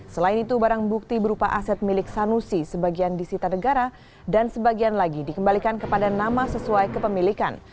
selain itu barang bukti berupa aset milik sanusi sebagian disita negara dan sebagian lagi dikembalikan kepada nama sesuai kepemilikan